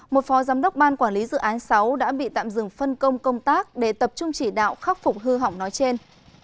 một phó giám đốc ban quản lý dự án sáu đã bị tạm dừng phân công công tác để tập trung chỉ đạo khắc phục hư hỏng nói trên